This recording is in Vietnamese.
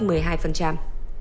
vụ chém nhầm